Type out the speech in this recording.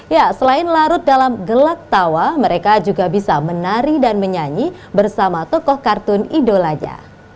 ya selain larut dalam gelak tawa mereka juga bisa menari dan menyanyi bersama tokoh kartun idolanya